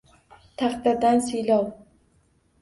Taqdirdan siylov